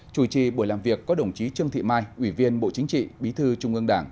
chủ trì buổi làm việc có đồng chí trương thị mai ủy viên bộ chính trị bí thư trung ương đảng